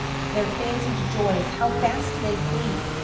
4 Their fancy'd joys, how fast they flee!